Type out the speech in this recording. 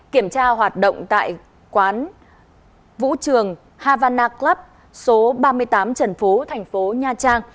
kiểm tra hoạt động tại quán vũ trường havana club số ba mươi tám trần phú thành phố nha trang